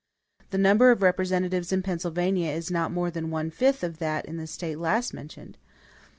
The number of representatives in Pennsylvania is not more than one fifth of that in the State last mentioned.